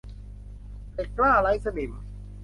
เหล็กกล้าไร้สนิม